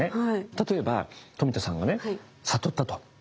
例えば富田さんがね悟ったと。